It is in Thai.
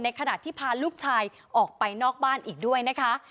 ขณะที่พาลูกชายออกไปนอกบ้านอีกด้วยนะคะ